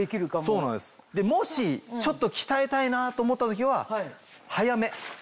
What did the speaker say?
そうなんですもしちょっと鍛えたいなと思った時は速め。